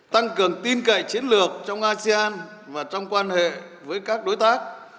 tăng cường tin cậy chiến lược trong asean và trong quan hệ với các đối tác